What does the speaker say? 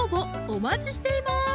お待ちしています